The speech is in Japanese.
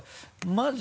まず。